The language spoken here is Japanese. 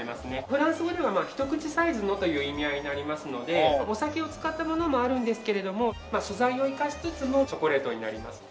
フランス語では「ひと口サイズの」という意味合いになりますのでお酒を使ったものもあるんですけれども素材を生かしつつのチョコレートになります。